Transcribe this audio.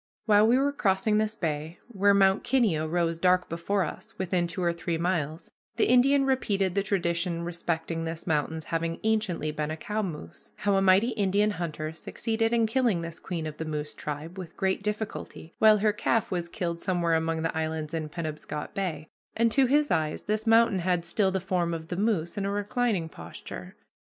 While we were crossing this bay, where Mount Kineo rose dark before us within two or three miles, the Indian repeated the tradition respecting this mountain's having anciently been a cow moose how a mighty Indian hunter succeeded in killing this queen of the moose tribe with great difficulty, while her calf was killed somewhere among the islands in Penobscot Bay, and, to his eyes, this mountain had still the form of the moose in a reclining posture.